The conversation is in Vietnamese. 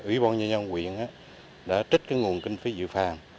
ủy ban nhân dân quyền đã trích nguồn kinh phí dự phạm